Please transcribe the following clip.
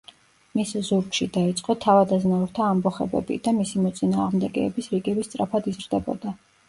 მის ზურგში დაიწყო თავად-აზნაურთა ამბოხებები, და მისი მოწინააღმდეგების რიგები სწრაფად იზრდებოდა.